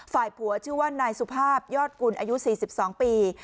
ฝ่ายผัวชื่อว่านายสุภาพยอดกุลอายุ๔๒ปี